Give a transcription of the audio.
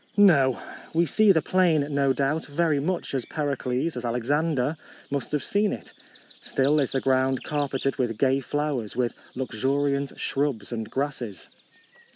No ! "We see the plain, no doubt, very much as Pericles, as Alexander, must have seen it. Still is the ground carpeted with gay flowers, with luxuriant shrubs and grasses.